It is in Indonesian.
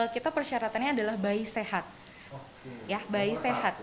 kita persyaratannya adalah bayi sehat